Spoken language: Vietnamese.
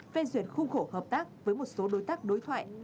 phê duyên khung khổ hợp tác với một số đối tác đối thoại